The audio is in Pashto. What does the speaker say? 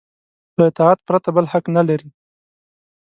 له اطاعت پرته بل حق نه لري.